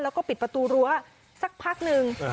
แล้วก็ปิดประตูรั้วสักพักหนึ่ง